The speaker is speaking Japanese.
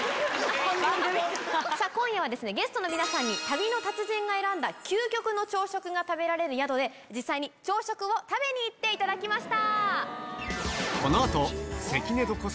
今夜はゲストの皆さんに旅の達人が選んだ究極の朝食が食べられる宿で実際に朝食を食べに行っていただきました。